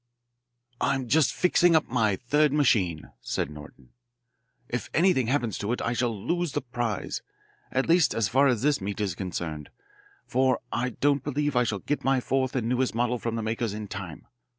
"I'm just fixing up my third machine," said Norton. "If anything happens to it, I shall lose the prize, at least as far as this meet is concerned, for I don't believe I shall get my fourth and newest model from the makers in time.